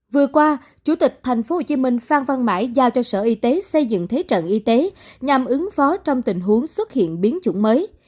vừa qua chủ tịch thành phố hồ chí minh phan văn mãi giao cho sở y tế xây dựng thế trận y tế nhằm ứng phó trong tình huống xuất hiện biến chủng mới